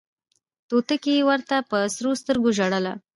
توتکۍ ورته په سرو سترګو ژړله